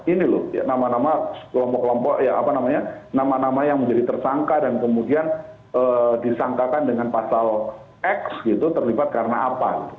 ini loh nama nama kelompok kelompok ya apa namanya nama nama yang menjadi tersangka dan kemudian disangkakan dengan pasal x gitu terlibat karena apa